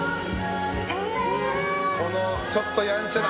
ちょっとやんちゃな。